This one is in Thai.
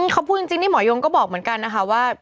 เขาพูดจริงนี่หมอยงก็บอกเหมือนกันนะคะว่า